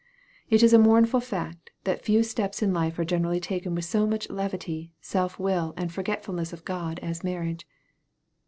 It is a mournful fact, that few steps in life are generally taken with so much levity, self will, and forgetfulness of God as marriage.